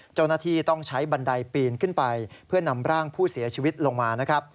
เจ้าหน้าที่ต้องใช้บันไดปีนขึ้นไปเพื่อนำร่างผู้เสียชีวิตลงมานะครับ